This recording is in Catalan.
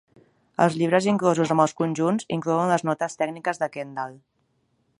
Els llibrets inclosos amb els conjunts inclouen les Notes tècniques de Kendall.